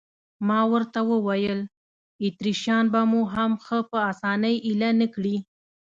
ما ورته وویل: اتریشیان به مو هم ښه په اسانۍ اېله نه کړي.